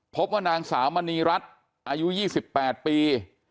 พบว่านางสาวมณีรัฐอายุ๒๘ปี